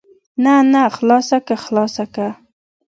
نه نه خلاصه که خلاصه که.